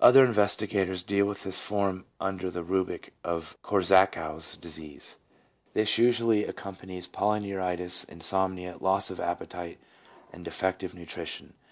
Other investigators deal with this form under the rubric of Korssakow's Disease. 2 This usually ac companies polyneuritis, insomnia, loss of appetite, and defective nutrition.